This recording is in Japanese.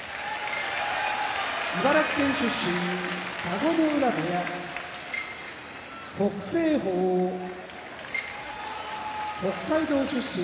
茨城県出身田子ノ浦部屋北青鵬北海道出身